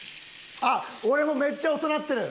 あっ俺もめっちゃ遅なってる！